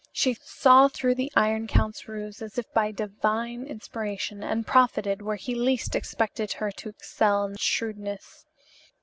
She saw through the Iron Count's ruse as if by divine inspiration and profited where he least expected her to excel in shrewdness.